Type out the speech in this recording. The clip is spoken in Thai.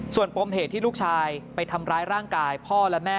ส่วนปมเหตุที่ลูกชายไปทำร้ายร่างกายพ่อและแม่